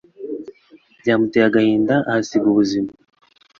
Byamuteye agahinda ahasiga ubuzima